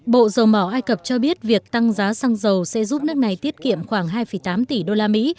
bộ dầu mỏ ai cập cho biết việc tăng giá xăng dầu sẽ giúp nước này tiết kiệm khoảng hai tám tỷ đô la mỹ